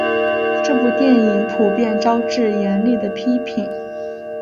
这部电影普遍招致严厉的批评。